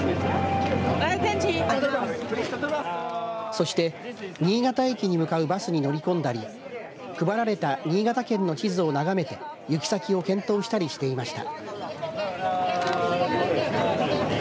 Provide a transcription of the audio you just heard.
そして新潟駅に向かうバスに乗り込んだり配られた新潟県の地図を眺めて行き先を検討したりしていました。